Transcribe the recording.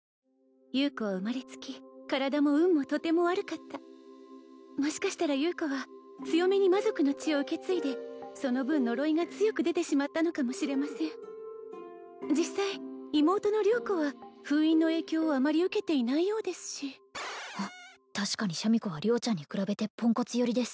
優子は生まれつき体も運もとても悪かったもしかしたら優子は強めに魔族の血を受け継いでその分呪いが強く出てしまったのかもしれません実際妹の良子は封印の影響をあまり受けていないようですし確かにシャミ子は良ちゃんに比べてポンコツ寄りです